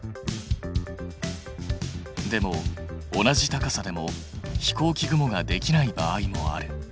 でも同じ高さでも飛行機雲ができない場合もある。